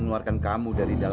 kurang aja si jokro